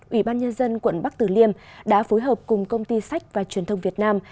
ủy ban nhân dân quận bắc tử liêm đã phối hợp cùng công ty sách và truyền thông việt nam